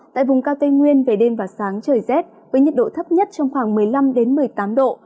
tại vùng cao tây nguyên về đêm và sáng trời rét với nhiệt độ thấp nhất trong khoảng một mươi năm một mươi tám độ